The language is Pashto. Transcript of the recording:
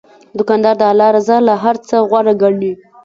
دوکاندار د الله رضا له هر څه غوره ګڼي.